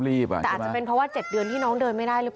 แต่จะเพราะ๗เดือนที่น้องเดินไม่ได้